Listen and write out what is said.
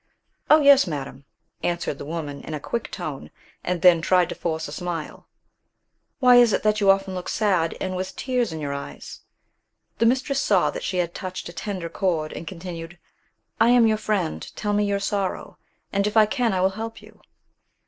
"Oh yes, madam," answered the woman in a quick tone, and then tried to force a smile. "Why is it that you often look sad, and with tears in your eyes?" The mistress saw that she had touched a tender chord, and continued, "I am your friend; tell me your sorrow, and, if I can, I will help you."